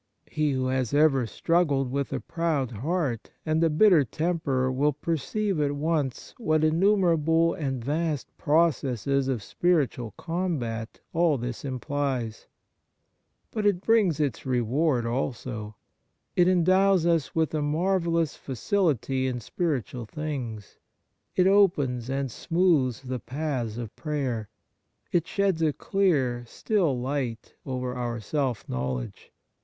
He who has ever struggled with a proud heart and a bitter temper will per ceive at once what innumerable and vast processes of spiritual combat all this im plies. But it brings its reward also. It Kind Thoughts 65 endows us with a marvellous facility in spiritual things. It opens and smooths the paths of prayer. It sheds a clear, still light over our self knowledge.